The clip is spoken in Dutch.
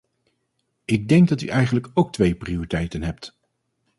Ik denk dat u eigenlijk ook twee prioriteiten hebt.